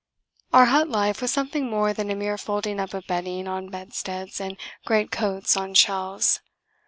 Our hut life was something more than a mere folding up of bedding on bedsteads and great coats on shelves.